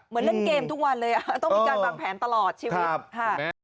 เล่นเกมทุกวันเลยต้องมีการวางแผนตลอดชีวิตค่ะ